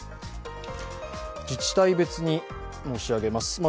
自治体別に申し上げます。